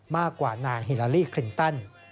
มากกว่านางฮิลาลีคลินตัน